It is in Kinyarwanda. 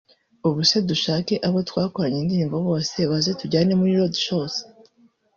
Ubuse dushake abo twakoranye indirimbo bose baze tujyane muri Raodshows